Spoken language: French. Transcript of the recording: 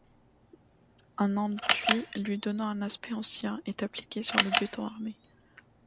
Un enduit lui donnant un aspect ancien est appliqué sur le béton armé.